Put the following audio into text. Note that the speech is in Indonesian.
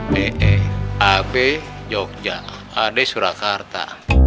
be ab jogja ad surakarta